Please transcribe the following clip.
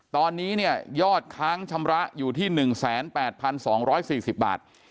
ตอนนี้เนี่ยยอดค้างชำระอยู่ที่๑๘๒๔๐บาท